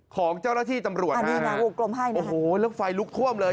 ของเจ้าระที่ตำรวจนะฮะได้ไหมครับโอ้โฮแล้วไฟลุกคว่มเลย